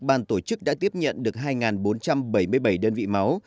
ban tổ chức đã tiếp nhận được hai bốn trăm bảy mươi bảy đơn vị máu